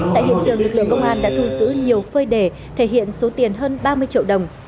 tại hiện trường lực lượng công an đã thu giữ nhiều phơi đề thể hiện số tiền hơn ba mươi triệu đồng